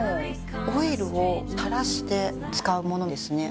オイルを垂らして使うものですね。